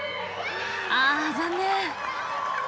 あ残念！